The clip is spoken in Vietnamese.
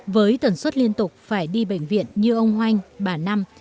với tần suất liên tục phải đi bệnh viện như ông hoành bà năm